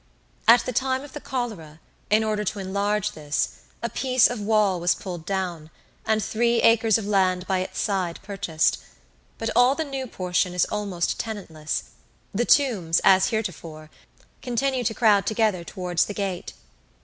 At the time of the cholera, in order to enlarge this, a piece of wall was pulled down, and three acres of land by its side purchased; but all the new portion is almost tenantless; the tombs, as heretofore, continue to crowd together towards the gate.